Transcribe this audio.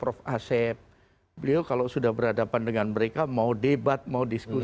beliau kalau sudah berhadapan dengan mereka mau debat mau disertai beliau kalau sudah berhadapan dengan mereka mau debat mau disertai